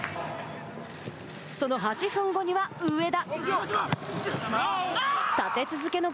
その８分後には上田。